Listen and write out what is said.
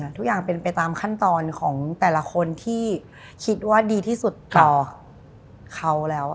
ทุกอย่างเป็นไปตามขั้นตอนของแต่ละคนที่คิดว่าดีที่สุดต่อเขาแล้ว